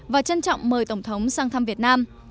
và trân trọng mời tổng thống sang thăm việt nam